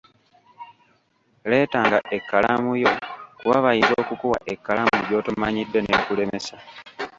Leetanga ekkalamu yo, kuba bayinza okukuwa ekkalamu gy'otomanyidde n'ekulemesa.